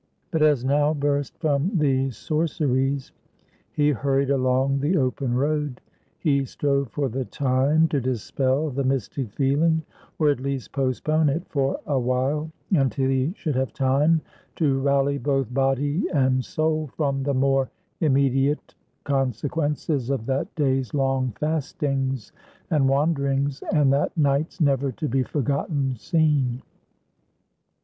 But as now burst from these sorceries, he hurried along the open road, he strove for the time to dispel the mystic feeling, or at least postpone it for a while, until he should have time to rally both body and soul from the more immediate consequences of that day's long fastings and wanderings, and that night's never to be forgotten scene.